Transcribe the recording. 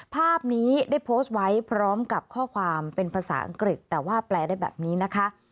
ภาพนี้ได้โพสต์ไว้พร้อมกับข้อความเป็นภาษาอังกฤษแต่ว่าแปลได้แบบนี้นะคะ